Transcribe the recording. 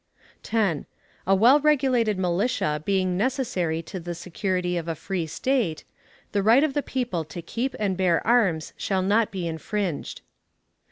10. A well regulated militia being necessary to the security of a free state, the right of the people to keep and bear arms shall not be infringed.